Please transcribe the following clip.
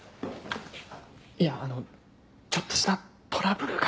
いやあのちょっとしたトラブルが。